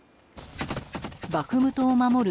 バフムトを守る